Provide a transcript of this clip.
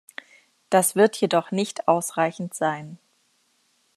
Das wird jedoch nicht ausreichend sein.